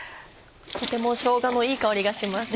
とてもしょうがのいい香りがします。